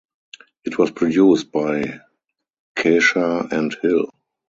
It was produced by Kesha and Hill.